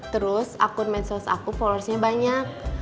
terus akun medsos aku followersnya banyak